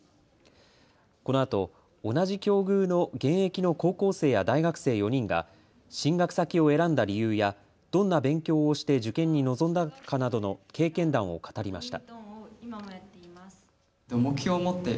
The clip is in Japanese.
このあと同じ境遇の現役の高校生や大学生４人が進学先を選んだ理由やどんな勉強をして受験に臨んだかなどの経験談を語りました。